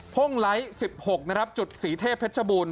พ่งไลท์๑๖จุดศรีเทพเพชรบูรณ์